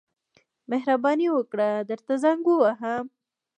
مهرباني وکړه درته زنګ ووهم.